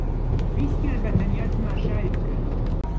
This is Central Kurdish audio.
ویستیان بەتەنیا تەماشای بکەن